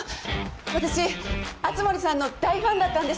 私熱護さんの大ファンだったんです。